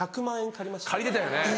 借りてたよね。